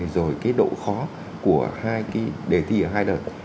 rồi cái độ khó của hai cái đề thi ở hai đợt